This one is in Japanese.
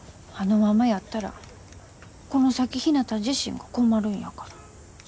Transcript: あのままやったらこの先ひなた自身が困るんやから。